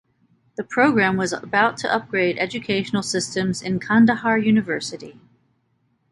The program was about to upgrade educational systems in Kandahar University.